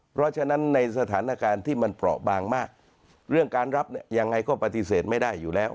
เพราะฉะนั้นในสถานการณ์ที่มันเปราะบางมากเรื่องการรับเนี่ยยังไงก็ปฏิเสธไม่ได้อยู่แล้ว